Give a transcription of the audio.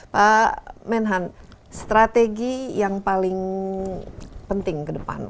pak menhan strategi yang paling penting ke depan